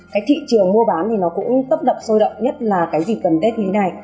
cái thị trường mua bán thì nó cũng tốc độc sôi động nhất là cái gì cần test như thế này